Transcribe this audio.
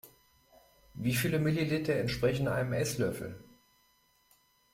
Wie viele Milliliter entsprechen einem Esslöffel?